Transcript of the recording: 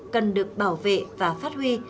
cần được bảo vệ và phát huy